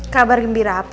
kabar gembira apa